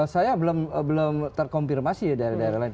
saya belum terkompirmasi daerah daerah lain